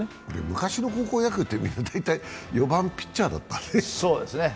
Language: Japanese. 昔の高校野球って大体４番・ピッチャーだったね。